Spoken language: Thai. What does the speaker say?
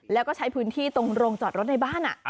แล้วก็ใช้พื้นที่ตรงโรงจอดรถในบ้าน